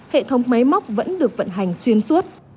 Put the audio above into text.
hệ thống máy móc vẫn được vận hành xuyên suốt